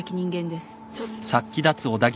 ちょっと。